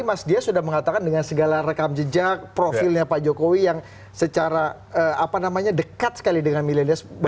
mas dia sudah mengatakan dengan segala rekam jejak profilnya pak jokowi yang secara dekat sekali dengan milenial